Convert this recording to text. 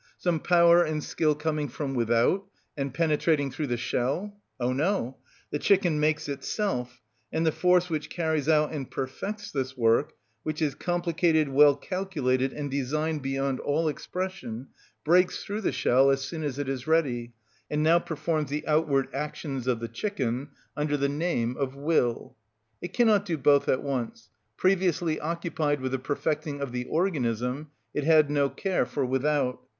Some power and skill coming from without, and penetrating through the shell? Oh no! The chicken makes itself, and the force which carries out and perfects this work, which is complicated, well calculated, and designed beyond all expression, breaks through the shell as soon as it is ready, and now performs the outward actions of the chicken, under the name of will. It cannot do both at once; previously occupied with the perfecting of the organism, it had no care for without.